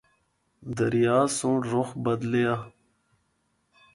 دریا سنڑ رُخ بدلیا۔